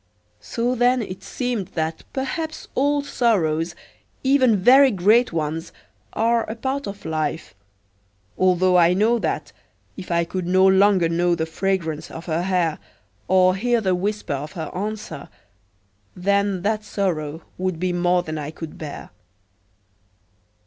So then it seemed that perhaps all sorrows, even very great ones, are a part of life. Although I know that, if I could no longer know the fragrance of her hair, or hear the whisper of her answer, then that sorrow would be more than I could bear.